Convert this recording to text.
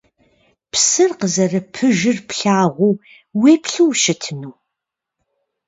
Псыр къызэрыпыжыр плъагъуу, уеплъу ущытыну?